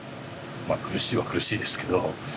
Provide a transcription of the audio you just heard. まあ苦しいは苦しいですけど。